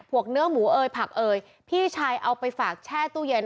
เนื้อหมูเอยผักเอยพี่ชายเอาไปฝากแช่ตู้เย็น